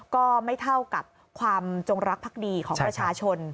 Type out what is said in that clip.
ก็ไม่เท่ากับความจงรักภักดีของประชาชน